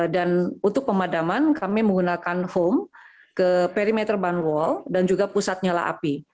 dan untuk pemadaman kami menggunakan foam ke perimeter ban wall dan juga pusat nyala api